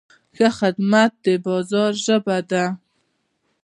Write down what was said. ښه خدمت د بازار ژبه ده.